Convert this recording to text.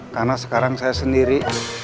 karena sekarang saya sendiri